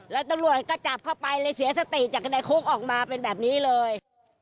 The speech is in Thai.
แล้วตำรวจก็จับเข้าไปเลยเสียสติจากในคุกออกมาเป็นแบบนี้เลย